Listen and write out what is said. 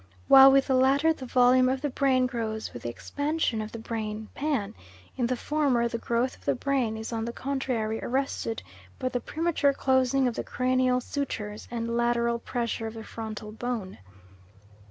While with the latter the volume of the brain grows with the expansion of the brain pan; in the former the growth of the brain is on the contrary arrested by the premature closing of the cranial sutures, and lateral pressure of the frontal bone."